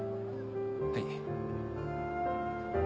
はい。